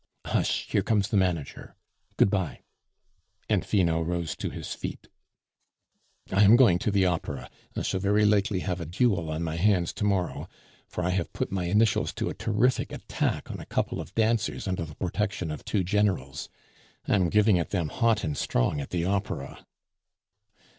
Hush, here comes the manager. Good bye," and Finot rose to his feet, "I am going to the Opera. I shall very likely have a duel on my hands to morrow, for I have put my initials to a terrific attack on a couple of dancers under the protection of two Generals. I am giving it them hot and strong at the Opera."